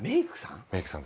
メークさん？